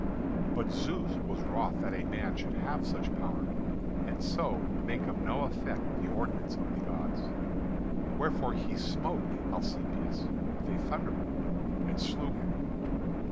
But Zeus was wroth that a man should have such power, and so make of no effect the ordinance of the gods. Wherefore he smote Asclepius with a thunderbolt and slew him.